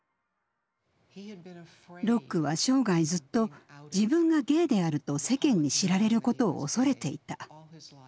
ロックは生涯ずっと自分がゲイであると世間に知られることを恐れていた。